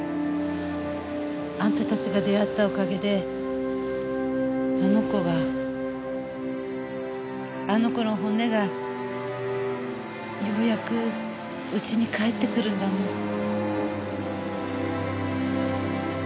あんたたちが出会ったおかげであの子があの子の骨がようやく家に帰ってくるんだもん。